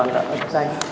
các cái hoạt động